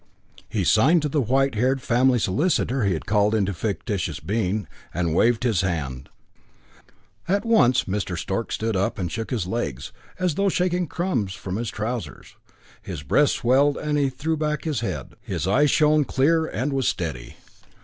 He signed to the white haired family solicitor he had called into fictitious being, and waved his hand. At once Mr. Stork stood up and shook his legs, as though shaking out crumbs from his trousers. His breast swelled, he threw back his head, his eye shone clear and was steady.